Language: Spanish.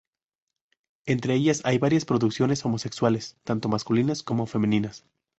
Entre ellas hay varias producciones homosexuales, tanto masculinas como femeninas.